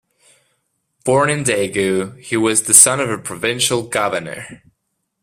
Born in Daegu, he was the son of the provincial governor.